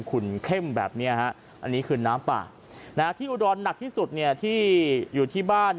ขุนเข้มแบบนี้ฮะอันนี้คือน้ำป่าที่อุดรหนักที่สุดเนี่ยที่อยู่ที่บ้าน